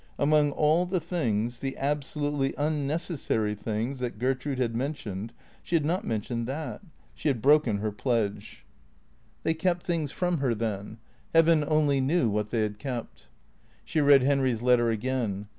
Among all the things, the absolutely unnecessary things, that Gertrude had mentioned, she had not mentioned that. She had broken her pledge. 477 478 THECEEATOES They kept things from her, then. Heaven only knew what they had kept. She read Henry's letter again.